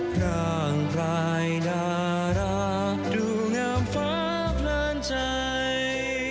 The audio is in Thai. กลางปลายดาราดูงามฟ้าพลานใจ